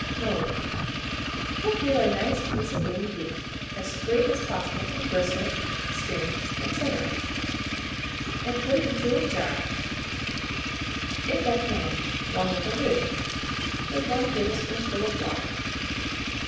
Mode. Procure a nice piece of lean beef, as free as possible from gristle, skin, &c., and put it into a jar (if at hand, one with a lid) with 1 tablespoonful of water.